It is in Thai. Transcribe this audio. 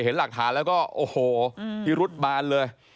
เห็นหลักฐานแล้วก็โอ้โหพิรุษบานเลย